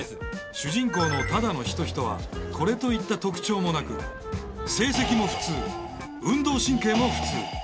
主人公の只野仁人はこれといった特徴もなく成績も普通運動神経も普通。